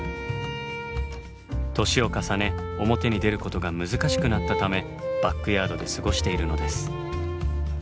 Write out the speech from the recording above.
年を重ね表に出ることが難しくなったためバックヤードで過ごしているのです。